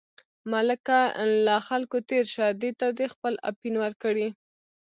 ملکه له خلکو تېر شه، دې ته دې خپل اپین ورکړي.